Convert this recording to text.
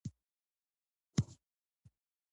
نسواري وازګې د بدن ګرم ساتلو کې مرسته کوي.